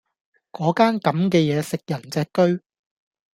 果間咁嘅野食人隻車